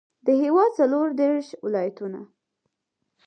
د هېواد څلوردېرش ولایتونه.